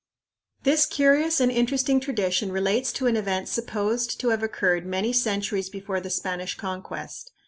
This curious and interesting tradition relates to an event supposed to have occurred many centuries before the Spanish Conquest.